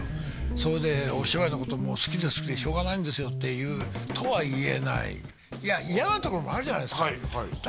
それでお芝居のこともう好きで好きでしょうがないんですよとは言えない嫌なところもあるじゃないですかだ